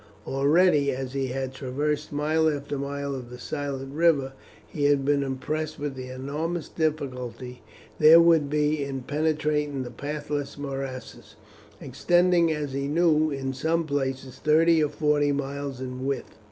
Already, as he had traversed mile after mile of the silent river, he had been impressed with the enormous difficulty there would be in penetrating the pathless morasses, extending as he knew in some places thirty or forty miles in width.